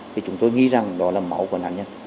thì chúng tôi nghĩ rằng đó là máu của nạn nhân